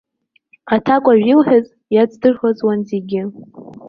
Аҭакәажә илҳәаз иацдырӷызуан зегьы.